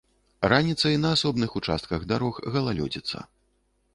Раніцай на асобных участках дарог галалёдзіца.